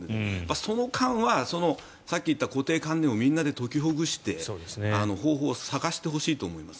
その間は、さっき言った固定観念をみんなで解きほぐして方法を探してほしいと思います。